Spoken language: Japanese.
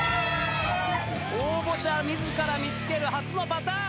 応募者自ら見つける初のパターン！